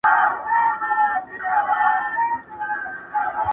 راتلو کي به معیوبه زموږ ټوله جامعه وي.